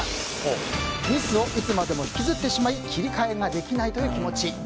ミスをいつまでも引きずってしまい切り替えができない気持ち。